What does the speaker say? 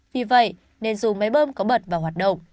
vì vậy nên dù máy bơm có bật vào hoạt động